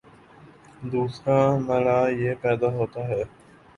دوسرا مألہ یہ پیدا ہوتا ہے